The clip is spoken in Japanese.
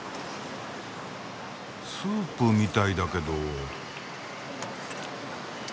スープみたいだけど。